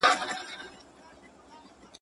o نن پر ما، سبا پر تا.